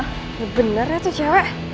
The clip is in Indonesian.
oh bener ya tuh cewek